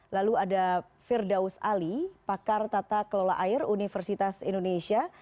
lalu ada firdaus ali pakar tata kelola air universitas indonesia